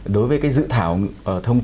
đối với dự thảo thông tin